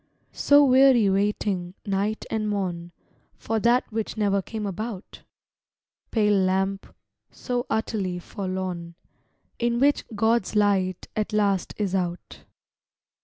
So weary waiting, night and morn, For that which never came about! Pale lamp, so utterly forlorn. In which God's light at last is out.